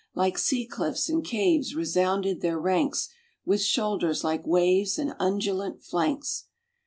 Like sea cliffs and caves resounded their ranks With shoulders like waves, and undulant flanks.